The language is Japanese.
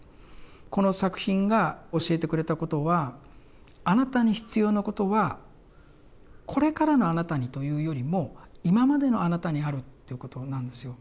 この作品が教えてくれたことはあなたに必要なことはこれからのあなたにというよりも今までのあなたにあるっていうことなんですよ。